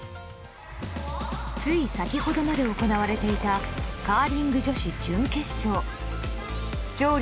つい先ほどまで行われていたカーリング女子準決勝。